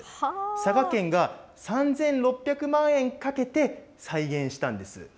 佐賀県が３６００万円かけて再現したんです。